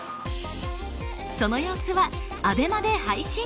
その様子はＡＢＥＭＡで配信。